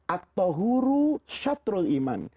a'ta huru syatrul iman